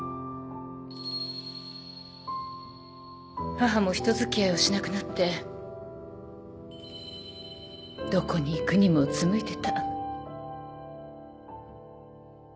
母も人付き合いをしなくなってどこに行くにもうつむいてた。